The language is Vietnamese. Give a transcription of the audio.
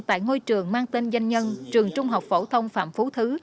tại ngôi trường mang tên danh nhân trường trung học phổ thông phạm phú thứ